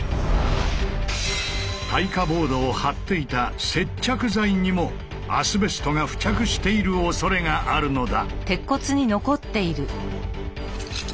耐火ボードを貼っていた接着剤にもアスベストが付着しているおそれがあるのだ。